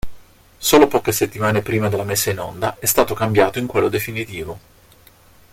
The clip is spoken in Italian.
Solo poche settimane prima della messa in onda, è stato cambiato in quello definitivo.